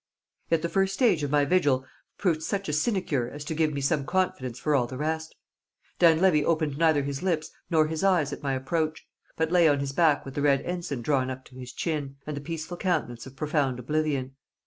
Yet the first stage of my vigil proved such a sinecure as to give me some confidence for all the rest. Dan Levy opened neither his lips nor his eyes at my approach, but lay on his back with the Red Ensign drawn up to his chin, and the peaceful countenance of profound oblivion.